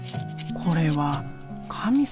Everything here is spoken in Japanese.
これは神様？